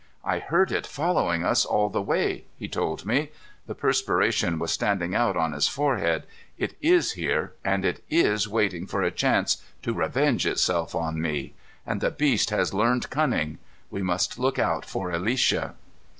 "I heard it following us all the way," he told me. The perspiration was standing out on his forehead. "It is there, and it is waiting for a chance to revenge itself on me. And the beast has learned cunning! We must look out for Alicia."